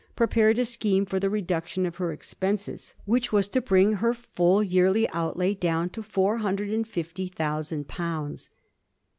prepared a scheme for the reduction of her expenses, which was to bring her full yearly outlay down to four hundred and fifty thousand pounds.